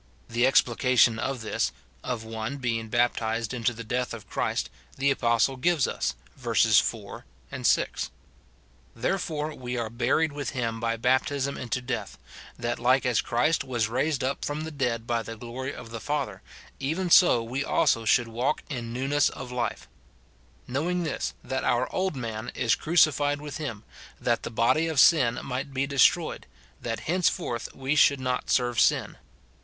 The explication of this, of one being baptized into the death of Christ, the apostle gives us, verses 4, 6 :" Therefore we are buried with him by baptism into death ; that like as Christ was raised up from the dead by the glory of the Father, even so we also should walk * Comuiuaion with Christ, vul. ii. chapters vii. viii. SIN IN BELIEVERS. 303 in newness of life. Knowing this, that our old man is crucified with him, that the . body of sin might be de stroyed, that henceforth we should not serve sin."